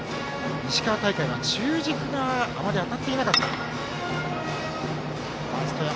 石川大会は中軸があまり当たっていなかったと。